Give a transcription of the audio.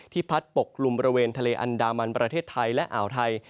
พัดปกกลุ่มบริเวณทะเลอันดามันประเทศไทยและอ่าวไทย